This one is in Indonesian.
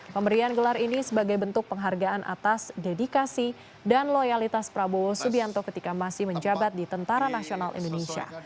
pemberian gelar ini sebagai bentuk penghargaan atas dedikasi dan loyalitas prabowo subianto ketika masih menjabat di tentara nasional indonesia